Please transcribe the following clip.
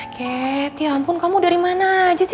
cat ya ampun kamu dari mana aja sih